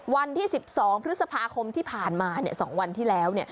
วันที่๑๒พฤษภาคมที่ผ่านมา๒วันที่แล้ว